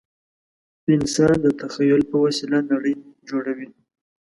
انسان د تخیل په وسیله نړۍ جوړوي.